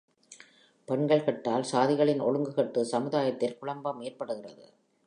பெண்கள் கெட்டால், சாதிகளின் ஒழுங்கு கெட்டு, சமுதாயத்தில் குழப்பம் ஏற்படுகிறது.